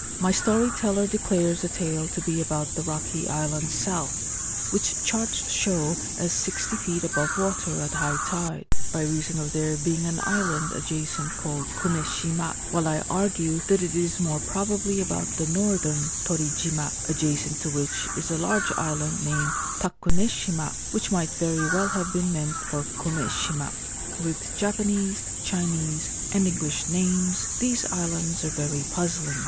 My story teller declares the tale to be about the Rocky Island South, which charts show as 60 feet above water at high tide, by reason of there being an island adjacent called Kumeshima ,• while I argue that it is more probably about the northern Tcrijima, adjacent to which is a large island named Takuneshima, which might very well have been meant for Kumeshima. With Japanese, Chinese, and English names, these islands are very puzzling.